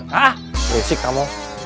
hah resik kamu